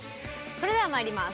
それではまいります。